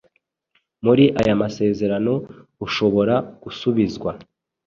muri aya masezerano ushobora gusubizwa